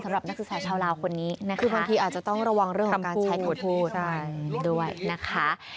สำหรับนักศึกษาชาวลาวคนนี้นะคะ